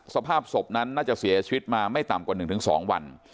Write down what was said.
สภาพศพนั้นน่าจะเสียชีวิตมาไม่ต่ำกว่าหนึ่งถึงสองวัน